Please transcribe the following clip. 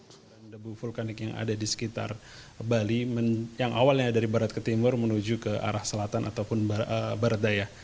hewan debu vulkanik yang ada di sekitar bali yang awalnya dari barat ke timur menuju ke arah selatan ataupun barat daya